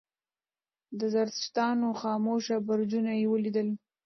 د زردشتانو خاموشه برجونه یې ولیدل.